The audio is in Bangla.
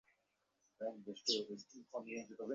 লিব্রিয়াম নিশ্চয়ই তার কাজ শুরু করেছে।